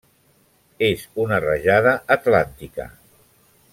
És una rajada atlàntica.